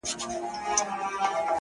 چي واکداران مو د سرونو په زاريو نه سي’